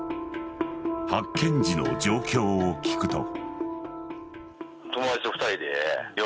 発見時の状況を聞くと。